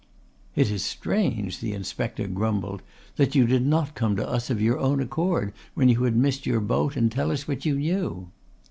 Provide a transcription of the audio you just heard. "It is strange," the Inspector grumbled, "that you did not come to us of your own accord when you had missed your boat and tell us what you knew."